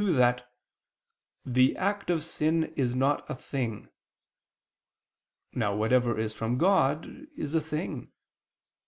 ii) that "the act of sin is not a thing." Now whatever is from God is a thing.